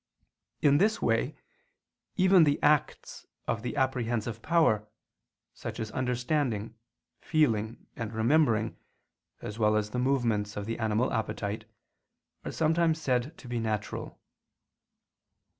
In this way, even the acts of the apprehensive power, such as understanding, feeling, and remembering, as well as the movements of the animal appetite, are sometimes said to be natural.